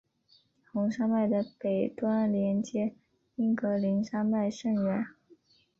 红山脉的北端连接英格林山脉甚远。